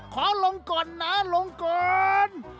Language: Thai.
ขอลงก่อนนะลงก่อน